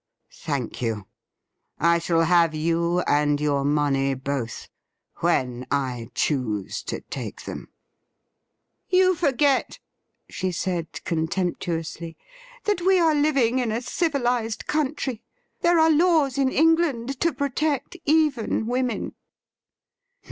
' Thank you. I shall have you and your money, both, when I choose to take them.' 15 226 THE RIDDLE RING ' You forget,' she said contemptuously, ' that we are living in a civilized country. There are laws in England to protect even women.'